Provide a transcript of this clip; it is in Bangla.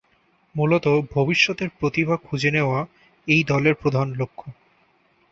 মূলত ভবিষ্যতের প্রতিভা খুঁজে নেয়া এই দলের প্রধান লক্ষ্য।